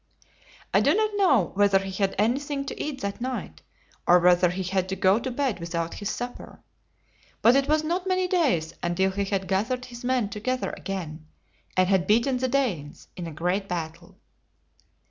I do not know whether he had any thing to eat that night, or whether he had to go to bed without his supper. But it was not many days until he had gath ered his men to geth er again, and had beaten the Danes in a great battle.